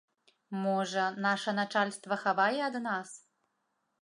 Можа, наша начальства хавае ад нас?